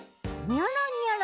ニョロニョロ？